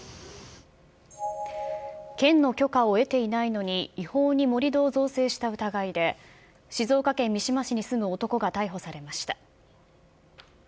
県の許可を得ていないのに、違法に盛り土を造成した疑いで、静岡県三島市に住む男が逮捕されました。